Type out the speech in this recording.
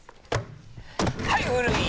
はい古い！